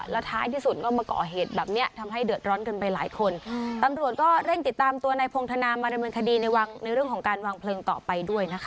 แล้วท้ายที่สุดก็มาก่อเหตุแบบนี้